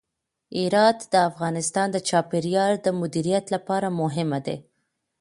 هرات د افغانستان د چاپیریال د مدیریت لپاره مهم دی.